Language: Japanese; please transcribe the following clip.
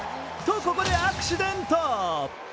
ここでアクシデント！